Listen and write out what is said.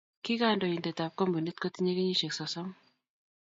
Kikandoindetab kampunit kotinyei kenyisiek sosom.